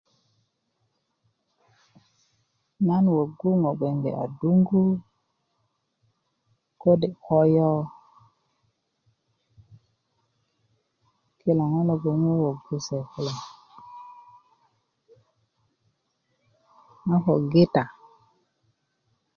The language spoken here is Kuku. nan wogu ŋo gbege aduŋgu kode' koyo kilo ŋo' logoŋ un wowogu se kulo a ko gita